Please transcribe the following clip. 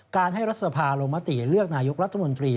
การให้รัฐสภาลงมติเลือกนายกรัฐมนตรี